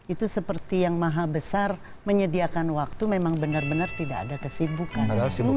itu seperti yang maha besar menyediakan waktu memang benar benar tidak ada kesibukan